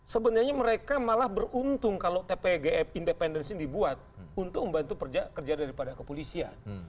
sebenarnya mereka malah beruntung kalau tpgf independensi ini dibuat untuk membantu kerja daripada kepolisian